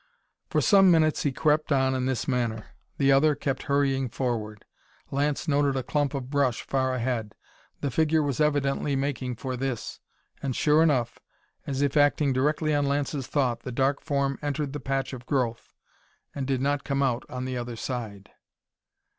For some minutes he crept on in this manner. The other kept hurrying forward. Lance noted a clump of brush far ahead; the figure was evidently making for this. And sure enough, as if acting directly on Lance's thought, the dark form entered the patch of growth and did not come out on the other side.